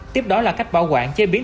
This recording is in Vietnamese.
tiếp đó là cách bảo quản chế biến